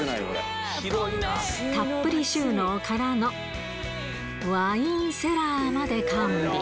たっぷり収納からの、ワインセラーまで完備。